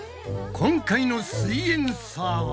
今回の「すイエんサー」は？